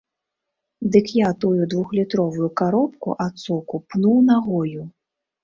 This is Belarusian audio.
Дык я тую двухлітровую каробку ад соку пнуў нагою.